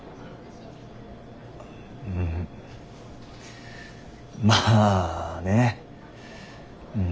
んまあね。